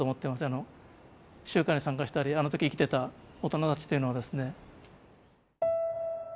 あの集会に参加したりあの時生きてた大人たちっていうのはですね。